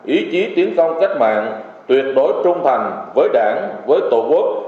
ý chí tiến công cách mạng tuyệt đối trung thành với đảng với tổ quốc